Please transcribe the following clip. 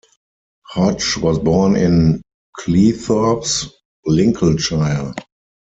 Hodge was born in Cleethorpes, Lincolnshire.